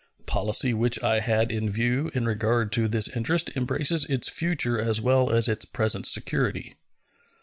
The policy which I had in view in regard to this interest embraces its future as well as its present security.